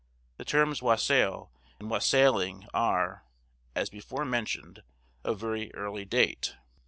The terms wassail and wassailing are, as before mentioned, of very early date.